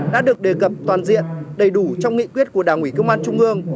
đã được đề cập toàn diện đầy đủ trong nghị quyết của đảng ủy công an trung ương